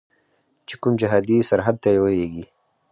چې کوم جهادي سرحد ته یې ولیږي.